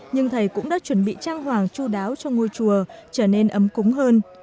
nhưng thầy cũng đã chuẩn bị trang hoàng chú đáo cho ngôi chùa trở nên ấm cúng hơn